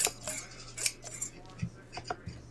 Fue alcaldesa del Municipio Zamora del Estado Miranda.